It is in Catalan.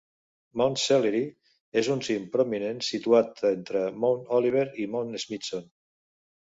Mount Sellery és un cim prominent situat entre Mount Oliver i Mount Smithson.